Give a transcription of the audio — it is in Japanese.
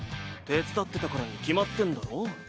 手伝ってたからに決まってんだろ。